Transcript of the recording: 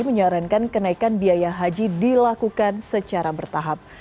menyarankan kenaikan biaya haji dilakukan secara bertahap